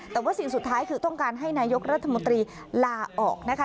แต่ว่าสิ่งสุดท้ายคือต้องการให้นายกรัฐมนตรีลาออกนะคะ